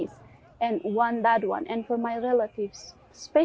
dan untuk anak anak saya terutama untuk wanita